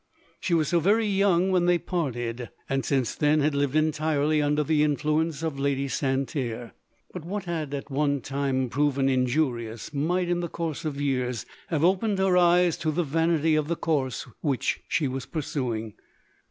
She was so very young when they parted, and since then, had lived entirely under the influence of Lady Santerre. But what had at one time prov ed injurious, might, in course of years, have opened her eyes to the vanity of the course which she was pursuing.